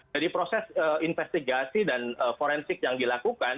jadi proses investigasi dan forensik yang dilakukan